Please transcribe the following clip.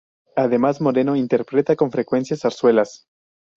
Además, Moreno interpreta con frecuencia zarzuelas.